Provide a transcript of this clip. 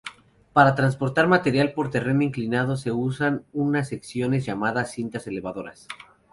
Para transportar material por terreno inclinado se usan unas secciones llamadas cintas elevadoras.